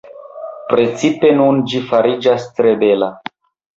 Precipe nun ĝi fariĝas tre bela.